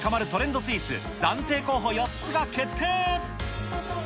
スイーツ暫定候補４つが決定。